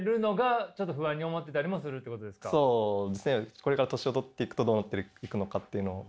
これから年を取っていくとどうなっていくのかっていうのを。